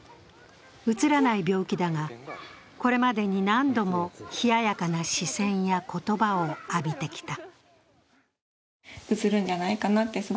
うつらない病気だが、これまでに何度も冷ややかな視線や言葉を浴びてきた。